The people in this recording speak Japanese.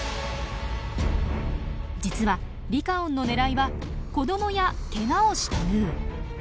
実はリカオンの狙いは子どもやケガをしたヌー。